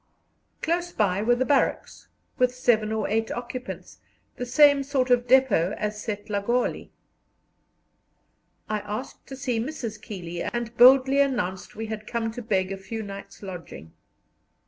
Close by were the barracks, with seven or eight occupants, the same sort of depôt as at Setlagoli. I asked to see Mrs. Keeley, and boldly announced we had come to beg for a few nights' lodging.